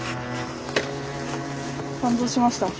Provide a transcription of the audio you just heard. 感動しました。